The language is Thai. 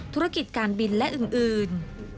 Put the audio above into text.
ธุรกิจการบินและอื่น